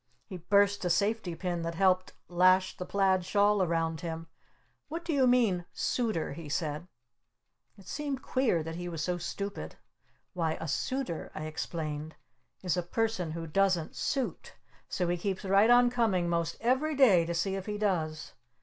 He burst a safety pin that helped lash the plaid shawl around him. "What do you mean, 'Suitor?'" he said. It seemed queer he was so stupid. "Why a Suitor," I explained, "is a Person Who Doesn't Suit so he keeps right on coming most every day to see if he does!